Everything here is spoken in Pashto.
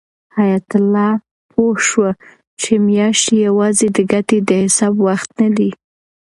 حیات الله پوه شو چې میاشتې یوازې د ګټې د حساب وخت نه دی.